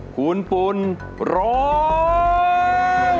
คุณปุ่นร้อง